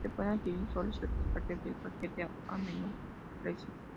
Se pueden adquirir solo ciertas partes del paquete, a menor precio.